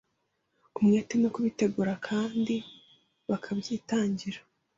umwete no kubitegura kandi bakabyitangira.